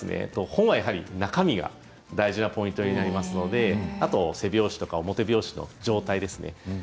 本はやはり中身が大事なポイントになりますので背表紙とか表表紙の状態ですね。